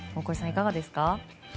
いかがですか？